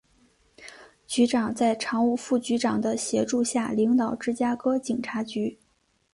局长在常务副局长的协助下领导芝加哥警察局。